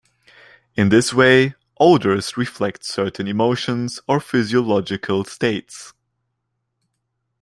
In this way odors reflect certain emotions or physiological states.